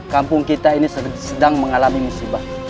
kampung kita ini sedang mengalami musibah